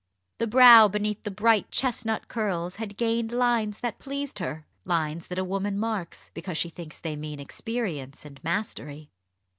The brow beneath the bright chestnut curls had gained lines that pleased her lines that a woman marks, because she thinks they mean experience an I mastery.